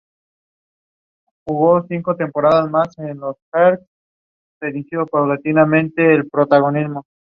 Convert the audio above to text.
Él se dirige a la casa de Paula Roberts, una amiga de Brooke.